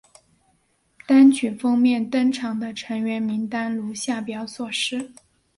单曲封面登场的成员名单如下表所示。